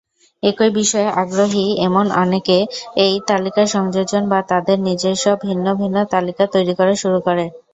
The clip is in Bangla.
একই বিষয়ে আগ্রহী এমন অনেকে এই তালিকা সংযোজন বা তাদের নিজস্ব ভিন্ন ভিন্ন তালিকা তৈরি করা শুরু করে।